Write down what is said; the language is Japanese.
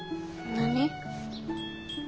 何。